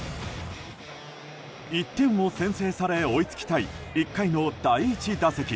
１点を先制され追いつきたい１回の第１打席。